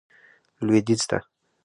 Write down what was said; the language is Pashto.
لوېدیځ ته.